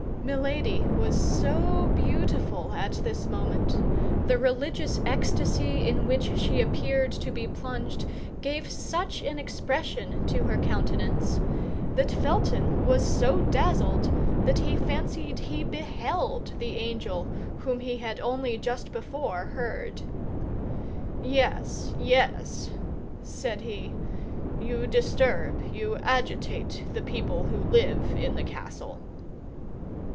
Milady was so beautiful at this moment, the religious ecstasy in which she appeared to be plunged gave such an expression to her countenance, that Felton was so dazzled that he fancied he beheld the angel whom he had only just before heard. "Yes, yes," said he; "you disturb, you agitate the people who live in the castle."